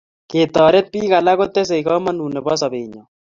Ketoret pik alak kotesei kamanut nebo sopenyo